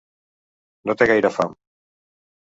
No té gaire fam.